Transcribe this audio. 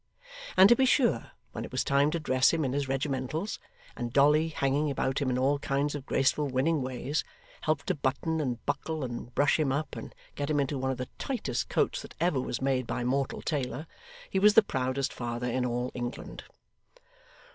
And to be sure, when it was time to dress him in his regimentals, and Dolly, hanging about him in all kinds of graceful winning ways, helped to button and buckle and brush him up and get him into one of the tightest coats that ever was made by mortal tailor, he was the proudest father in all England.